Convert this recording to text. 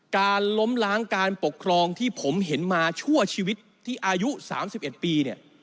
การล้มล้างการปกครองที่ผมเห็นมาชั่วชีวิตที่อายุ๓๑ปีเนี่ย